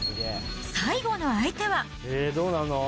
最後の相手は。